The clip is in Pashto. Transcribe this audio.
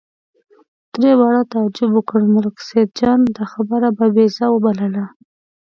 درې واړو تعجب وکړ، ملک سیدجان دا خبره بابېزه وبلله.